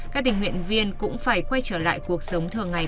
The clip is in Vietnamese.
các tình nguyện viên cũng phải quay trở lại cuộc sống thường ngày